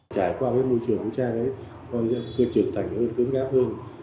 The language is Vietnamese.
trải qua môi trường của cha con đã trưởng thành hơn cứng gáp hơn